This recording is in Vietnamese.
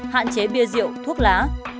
hạn chế bia rượu thuốc lá